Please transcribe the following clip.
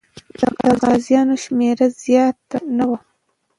د غازیانو شمېر زیات نه و.